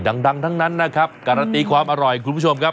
ดังทั้งนั้นนะครับการันตีความอร่อยคุณผู้ชมครับ